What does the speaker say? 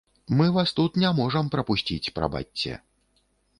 Мы вас тут не можам прапусціць, прабачце.